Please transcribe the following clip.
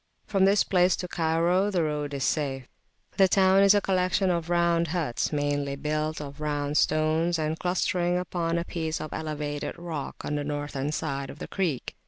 From this place to Cairo the road is safe. The town is a collection of round huts meanly built of round stones, and clustering upon a piece of elevated rock on the northern side of the creek.